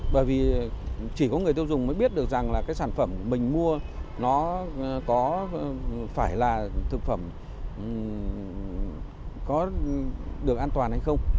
bởi vì chỉ có người tiêu dùng mới biết được rằng là cái sản phẩm mình mua nó có phải là thực phẩm có được an toàn hay không